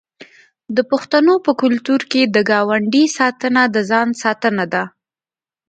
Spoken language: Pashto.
د پښتنو په کلتور کې د ګاونډي ساتنه د ځان ساتنه ده.